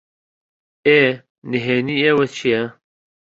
ئێ، نھێنیی ئێوە چییە؟